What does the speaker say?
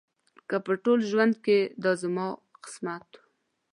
که په ټول ژوند کې دا زما قسمت و.